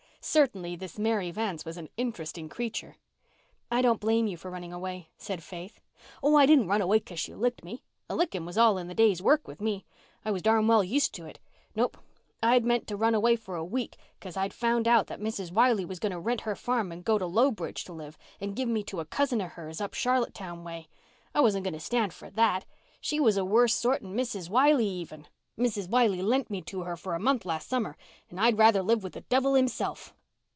Certainly this Mary Vance was an interesting creature. "I don't blame you for running away," said Faith. "Oh, I didn't run away 'cause she licked me. A licking was all in the day's work with me. I was darn well used to it. Nope, I'd meant to run away for a week 'cause I'd found out that Mrs. Wiley was going to rent her farm and go to Lowbridge to live and give me to a cousin of hers up Charlottetown way. I wasn't going to stand for that. She was a worse sort than Mrs. Wiley even. Mrs. Wiley lent me to her for a month last summer and I'd rather live with the devil himself."